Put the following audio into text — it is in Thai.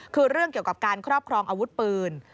คือเรื่องเกี่ยวกับการครอบครองอาวุธปืน